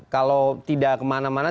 kalau tidak kemana mana